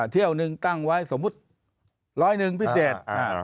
เที่ยวหนึ่งตั้งไว้สมมุติร้อยหนึ่งพิเศษ